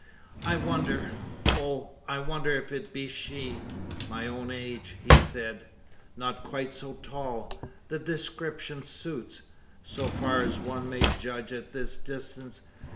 "I wonder oh, I wonder if it be she! My own age, he said not quite so tall. The description suits so far as one may judge at this distance.